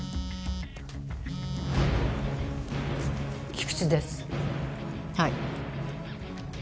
菊池ですはい。